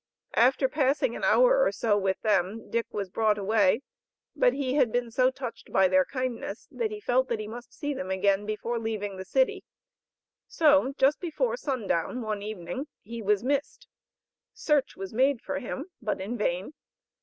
After passing an hour or so with them, Dick was brought away, but he had been so touched by their kindness, that he felt that he must see them again, before leaving the city; so just before sundown, one evening, he was missed; search was made for him, but in vain.